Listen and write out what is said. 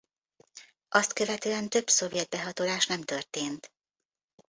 Azt követően több szovjet behatolás nem történt.